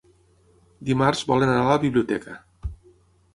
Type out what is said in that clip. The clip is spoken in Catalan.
Dimarts volen anar a la biblioteca.